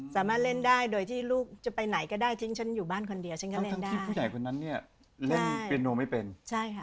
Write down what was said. สามารถเล่นได้โดยที่ลูกจะไปไหนก็ได้ทิ้งฉันอยู่บ้านคนเดียวฉันก็เล่นได้ผู้ใหญ่คนนั้นเนี่ยเล่นเปียโนไม่เป็นใช่ค่ะ